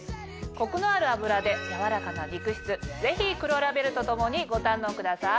コクのある脂で軟らかな肉質ぜひ黒ラベルとともにご堪能ください。